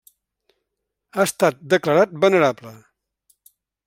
Ha estat declarat Venerable.